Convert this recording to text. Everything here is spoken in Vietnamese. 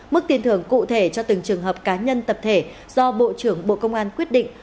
mức tiền thưởng cụ thể cho từng trường hợp cá nhân tập thể do bộ trưởng bộ công an quyết định